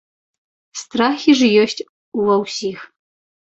Страхі ж ёсць у ва ўсіх!